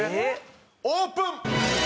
オープン！